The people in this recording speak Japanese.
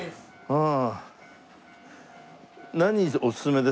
ああ。